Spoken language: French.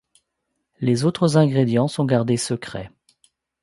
Les autres ingrédients sont gardés secrets.